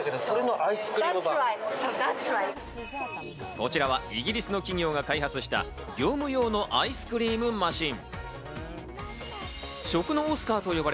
こちらはイギリスの企業が開発した業務用のアイスクリームマシン。